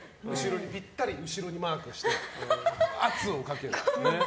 ぴったり後ろにマークして圧をかける。